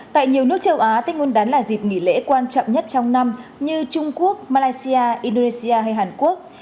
tại nhiều nước châu á tết nguyên đán là dịp nghỉ lễ quan trọng nhất trong năm như trung quốc malaysia indonesia hay hàn quốc